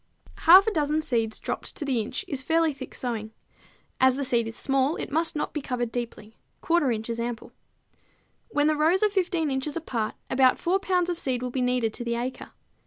Half a dozen seeds dropped to the inch is fairly thick sowing. As the seed is small, it must not be covered deeply; 1/4 inch is ample. When the rows are 15 inches apart about 4 pounds of seed will be needed to the acre.